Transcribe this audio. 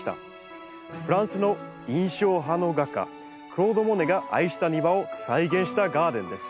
フランスの印象派の画家クロード・モネが愛した庭を再現したガーデンです。